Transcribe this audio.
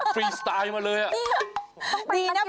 ฟรีสไตล์มาเลยอ่ะจริงหรือเปล่า